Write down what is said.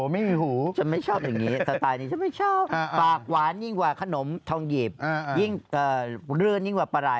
ปากหวานยิ่งกว่าปลาไหลปากหวานยิ่งกว่าขนมทองหยีบยิ่งลื่นยิ่งกว่าปลาไหล